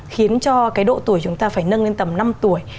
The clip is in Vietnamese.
khiến cho cái độ tuổi chúng ta phải nâng lên tầm năm tuổi